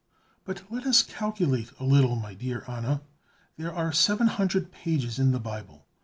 "But let us calculate a little, my dear Anna. There are seven hundred pages in the Bible.